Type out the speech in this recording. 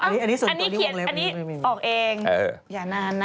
อันนี้เขียนออกเองอย่านานนะ